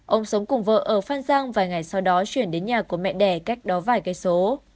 ông sống cùng vợ ở phan giang vài ngày sau đó chuyển đến nhà của mẹ đẻ cách đó vài cây số